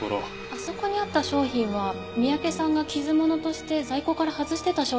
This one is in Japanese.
あそこにあった商品は三宅さんが傷物として在庫から外してた商品なんです。